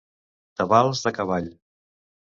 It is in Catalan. Tabals de cavall.